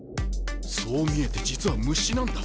そう見えて実は虫なんだ。